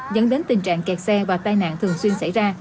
dẫn đến tình trạng kẹt xe và tai nạn thường xuyên xảy ra